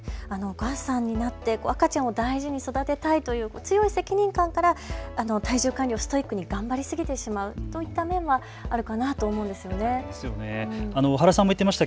お母さんになって赤ちゃんを大事に育てたいという強い責任感から体重管理をストイックに頑張りすぎてしまうといった面はあるかなと思うんですよね。